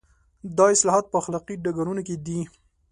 دا اصلاحات په اخلاقي ډګرونو کې دي.